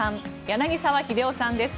柳澤秀夫さんです。